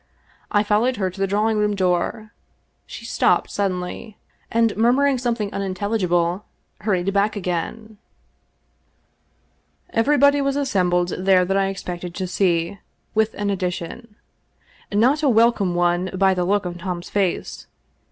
I followed her to the drawing room door. She stopped suddenly, and murmur ing something unintelligible hurried back again. Everybody was assembled there that I expected to see, with an addition. Not a welcome one by the look on Tom's face.